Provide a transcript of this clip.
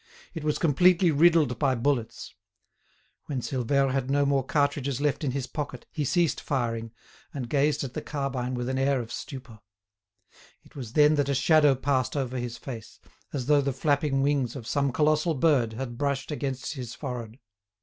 It was completely riddled by bullets. When Silvère had no more cartridges left in his pocket, he ceased firing, and gazed at the carbine with an air of stupor. It was then that a shadow passed over his face, as though the flapping wings of some colossal bird had brushed against his forehead.